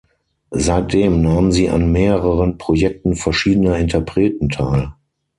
Seitdem nahm sie an mehreren Projekten verschiedener Interpreten teil.